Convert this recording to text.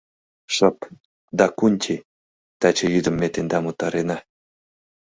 Шып, Дакунти, таче йӱдым ме тендам утарена!